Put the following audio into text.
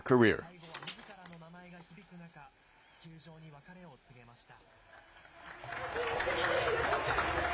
最後は、みずからの名前が響く中球場に別れを告げました。